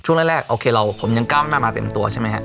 ช่วงแรกโอเคผมยังก้าวไม่มาเต็มตัวใช่ไหมครับ